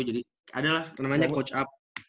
jadi ada lah namanya coachup